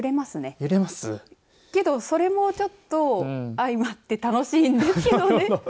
けど、それもちょっと相まって楽しんですけどね。